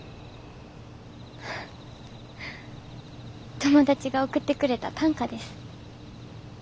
友達が送ってくれた短歌です。